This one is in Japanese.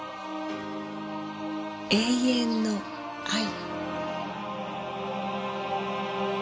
永遠の愛。